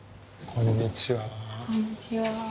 こんにちは。